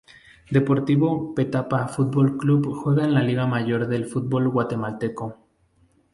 Deportivo Petapa Fútbol Club juega en la liga mayor del fútbol guatemalteco.